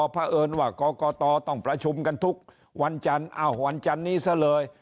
เพราะเอิญว่ากรกตต้องประชุมกันทุกวันจันทร์อ้าววันจันนี้ซะเลย